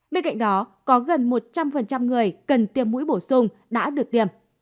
bên cạnh đó có gần một trăm linh người cần tiêm mũi bổ sung đã được tiêm